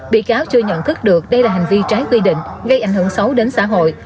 bị cáo chưa nhận thức được đây là hành vi trái quy định gây ảnh hưởng xấu đến xã hội